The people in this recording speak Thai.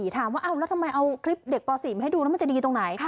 ถามว่าแล้วทำไมเอาคลิปเด็กป๔มาให้ดูแล้วมันจะดีตรงไหน